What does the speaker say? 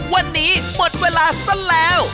วันนี้หมดเวลาซะแล้ว